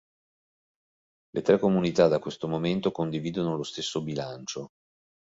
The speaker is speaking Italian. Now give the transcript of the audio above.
Le tre comunità da questo momento condividono lo stesso bilancio.